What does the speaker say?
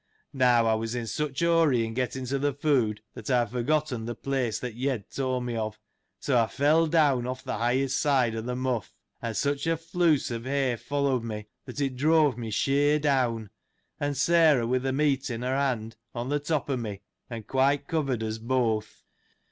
Now, I was in such a hurry in getting to the food, that I had forgotten the place that Yed told me of : so, I fell down off the highest side of the mough, and such a floose of hay followed me, that it drove me sheer down, and Sarah, with the meat in her hand, on the top of me, and quite covered us both.